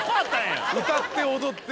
歌って踊って。